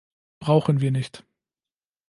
Brauchen wir nicht.